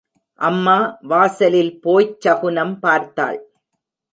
அம்மா வாசலில் போய்ச் சகுனம் பார்த்தாள்.